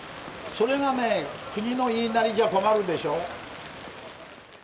それがね国の言いなりじゃ困るでしょ？